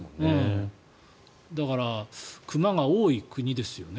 だから、熊が多い国ですよね。